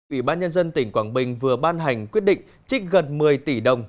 ủy ban nhân dân tỉnh quảng bình vừa ban hành quyết định trích gần một mươi tỷ đồng